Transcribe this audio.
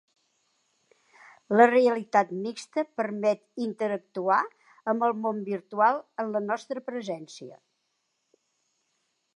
La realitat mixta permet interactuar amb el món virtual en la nostra presència.